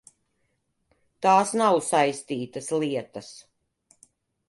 Tās nav saistītas lietas.